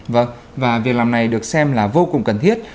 vâng và việc làm này được xem là vô cùng cần thiết